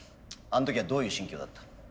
あの時はどういう心境だった？